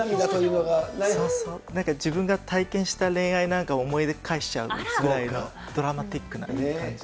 なんか自分が体験した恋愛なんかを思い返しちゃうぐらいの、ドラマティックな感じ。